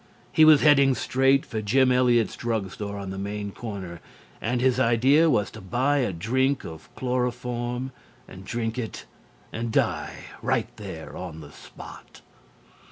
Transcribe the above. He was heading straight for Jim Eliot's drug store on the main corner and his idea was to buy a drink of chloroform and drink it and die right there on the spot.